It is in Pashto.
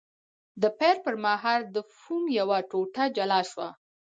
د پیل پر مهال د فوم یوه ټوټه جلا شوه.